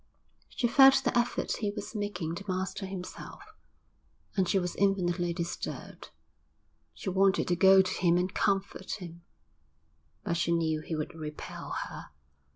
She felt the effort he was making to master himself, and she was infinitely disturbed. She wanted to go to him and comfort him, but she knew he would repel her.